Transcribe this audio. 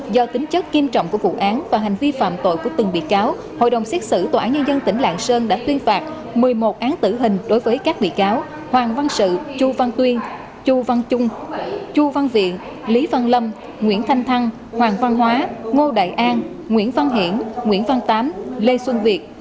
do tính chất kiêm trọng của vụ án và hành vi phạm tội của từng bị cáo hội đồng xét xử tòa án nhân dân tỉnh lạng sơn đã tuyên phạt một mươi một án tử hình đối với các bị cáo hoàng văn sự chu văn tuyên chu văn trung chu văn viện lý văn lâm nguyễn thanh thăng hoàng văn hóa ngô đại an nguyễn văn hiển nguyễn văn tám lê xuân việt